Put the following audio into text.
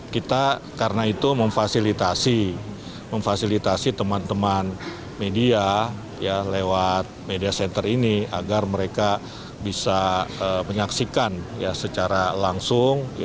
kita karena itu memfasilitasi teman teman media lewat media center ini agar mereka bisa menyaksikan secara langsung